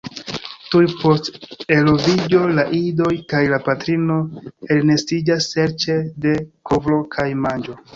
Tuj post eloviĝo la idoj kaj la patrino elnestiĝas serĉe de kovro kaj manĝo.